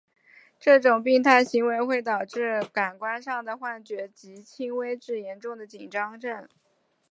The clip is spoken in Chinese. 这种病态行为会导致感官上的幻觉及轻微至严重的紧张症。